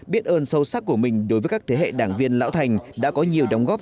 biết ơn sâu sắc của mình đối với các thế hệ đảng viên lão thành đã có nhiều đóng góp